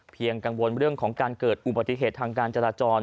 กังวลเรื่องของการเกิดอุบัติเหตุทางการจราจร